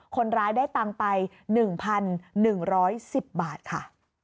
คนร้ายได้ตังค์ไป๑๑๑๐บาทค่ะ